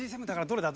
どれだ？